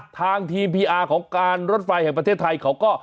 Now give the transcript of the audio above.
ทางทีมพีอาร์ของการรถไฟแห่งประเทศไทยเขาก็